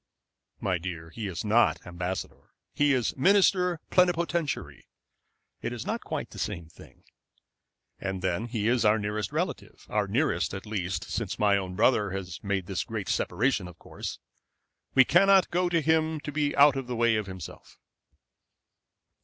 "My dear, he is not ambassador. He is minister plenipotentiary. It is not quite the same thing. And then he is our nearest relative, our nearest, at least, since my own brother has made this great separation, of course. We cannot go to him to be out of the way of himself."